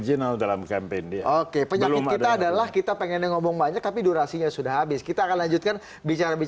jokowi dan sandi